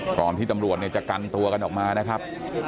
ก่อนที่ตำรวจเนี่ยจะกันตัวกันออกมานะครับ